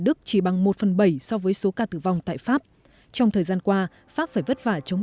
đức chỉ bằng một phần bảy so với số ca tử vong tại pháp trong thời gian qua pháp phải vất vả chống